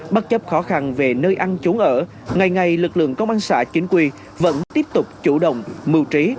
bất chấp khó khăn về nơi ăn trốn ở ngày ngày lực lượng công an xã chính quy vẫn tiếp tục chủ động mưu trí